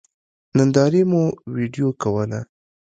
نندارې مو وېډيو کوله.